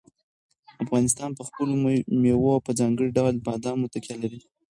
افغانستان په خپلو مېوو او په ځانګړي ډول بادامو تکیه لري.